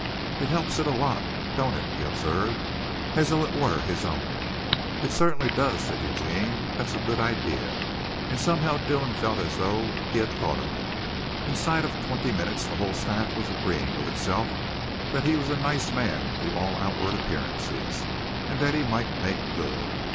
"It helps it a lot, don't it," he observed, as though it were his own. "It certainly does," said Eugene, "that's a good idea," and somehow Dillon felt as though he had thought of it. Inside of twenty minutes the whole staff was agreeing with itself that he was a nice man to all outward appearances and that he might make good.